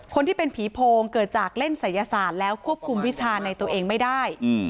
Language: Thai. คนที่เป็นผีโพงเกิดจากเล่นศัยศาสตร์แล้วควบคุมวิชาในตัวเองไม่ได้